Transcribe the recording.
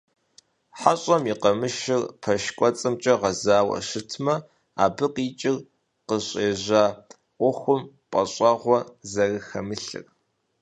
ХьэщӀэм и къамышыкӀыр пэш кӀуэцӀымкӀэ гъэзауэ щытмэ, абы къикӀырт къыщӏежьа Ӏуэхум пӀэщӀэгъуэ зэрыхэмылъыр.